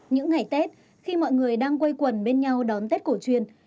những ngày tết khi mọi người đang quay quần bên nhau đón tết cổ truyền